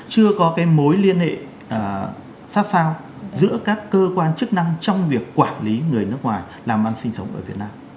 chưa có cái mối liên hệ xa xao giữa các cơ quan chức năng trong việc quản lý người nước ngoài làm ăn sinh sống ở việt nam